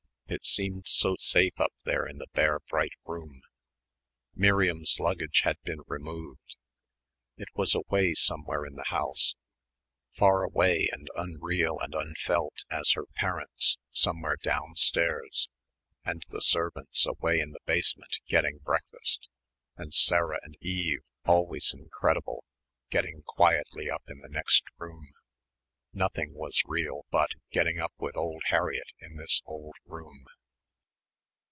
It seemed so safe up there in the bright bare room. Miriam's luggage had been removed. It was away somewhere in the house; far away and unreal and unfelt as her parents somewhere downstairs, and the servants away in the basement getting breakfast and Sarah and Eve always incredible, getting quietly up in the next room. Nothing was real but getting up with old Harriett in this old room.